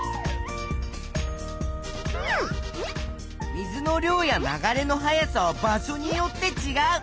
水の量や流れの速さは場所によってちがう。